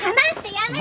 やめて。